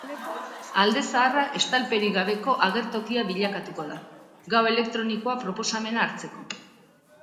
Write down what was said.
Alde zaharra estalperik gabeko agertokia bilakatuko da, gau elektronikoa proposamena hartzeko.